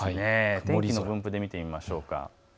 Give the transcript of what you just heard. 天気図の分布で見てみましょう。